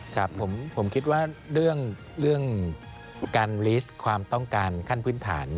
ครับผมคิดว่าเรื่องการลีสความต้องการขั้นพื้นฐาน